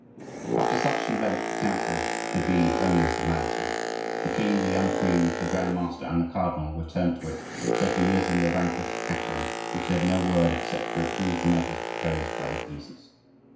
After such an event the Council could be only a formality. The king, the young queen, the Grand master, and the cardinal returned to it, taking with them the vanquished Catherine, who said no word except to approve the measures proposed by the Guises.